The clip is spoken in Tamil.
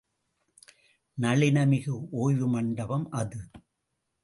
நளினமிகு ஓய்வு மண்டபம் அது.